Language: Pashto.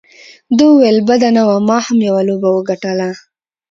ده وویل: بده نه وه، ما هم یوه لوبه وګټله.